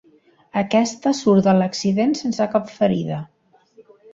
Aquesta surt de l'accident sense cap ferida.